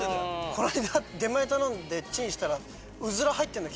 出前頼んでチンしたら。